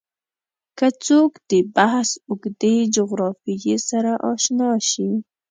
که څوک د بحث اوږدې جغرافیې سره اشنا شي